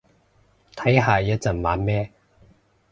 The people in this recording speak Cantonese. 睇下一陣玩咩